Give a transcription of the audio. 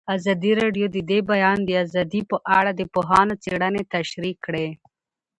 ازادي راډیو د د بیان آزادي په اړه د پوهانو څېړنې تشریح کړې.